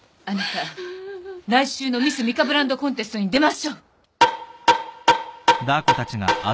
あなた来週のミスミカブランドコンテストに出ましょう。